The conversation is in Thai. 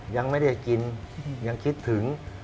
ยังไม่ได้กินยังคิดถึง